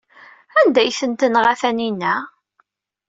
Anda ay ten-tenɣa Taninna?